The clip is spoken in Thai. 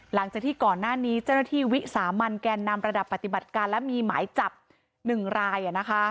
หลังจากที่ก่อนหน้านี้เจ้าหน้าที่วิสามันแกนนำระดับปฏิบัติการและมีหมายจับ๑ราย